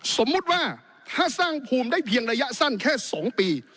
สมมุติว่าถ้าสร้างภูมิได้เพียงระยะสั้นแค่๒ปี